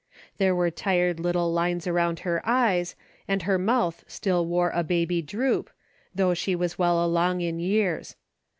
There were tired little lines around her eyes, and her mouth still wore a baby droop, though she was well along in years.